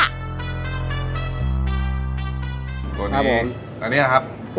ตัวนี้อันนี้นะครับ